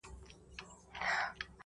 اوس د زلمیو هوسونو جنازه ووته،